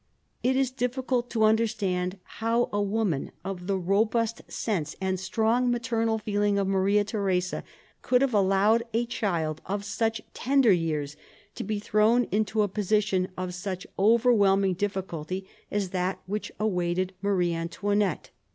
It is difficult to understand how a woman of the robust sense and strong maternal feeling of Maria Theresa could have allowed a child of such tender years to be thrown into a position of such overwhelming difficulty as that which awaited Marie Antoinette.